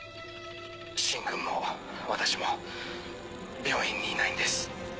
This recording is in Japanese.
芯君も私も病院にいないんです。